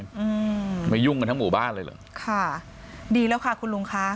อืมไม่ยุ่งกันทั้งหมู่บ้านเลยเหรอค่ะดีแล้วค่ะคุณลุงค่ะ